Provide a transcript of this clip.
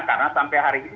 karena sampai hari ini